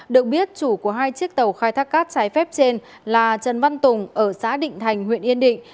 được biết chủ của hai chiếc tàu khai thác cát trái phép trên là trần văn tùng ở xã định thành huyện yên định